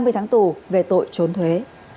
ba mươi tháng tù về tội trốn thuế